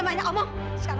mas kita harus b usi nadaqun